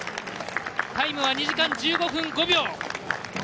タイムは２時間１５分５秒。